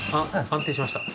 安定しました。